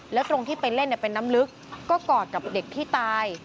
แล้วตรงที่ไปเล่นเป็นน้ำลึกก็กอดกับเด็กที่ตาย